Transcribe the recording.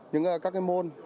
những các môn